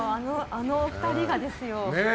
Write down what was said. あのお二人がですよ。